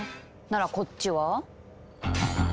ならこっちは？